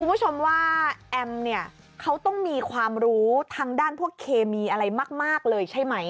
คุณผู้ชมว่าแอมเนี่ยเขาต้องมีความรู้ทางด้านพวกเคมีอะไรมากเลยใช่ไหม